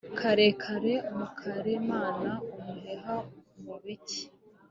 Karekare Mukakarema-Umuheha mu buki.